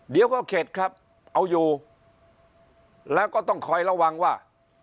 เดี๋ยวก็เข็ดครับเอาอยู่แล้วก็ต้องคอยระวังว่า